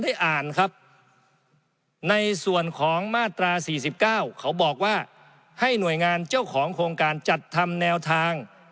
อ่านครับในส่วนของมาตรา๔๙เขาบอกว่าให้หน่วยงานเจ้าของโครงการจัดทำแนวทาง